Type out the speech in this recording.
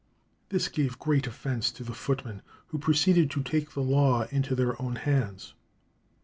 This gave great offence to the footmen, who proceeded to take the law into their own hands.